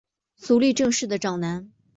足利政氏的长男。